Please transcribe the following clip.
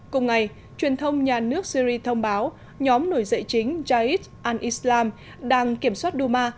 cùng ngày truyền thông nhà nước syri thông báo nhóm nổi dậy chính jais an islam đang kiểm soát duma